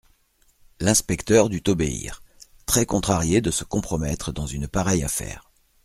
L'inspecteur dut obéir, très contrarié de se compromettre dans une pareille affaire.